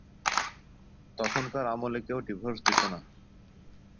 তখনকার আমলে কেউ ডিভোর্স দিতো না।